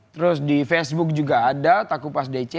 terus di facebook juga ada takupas dc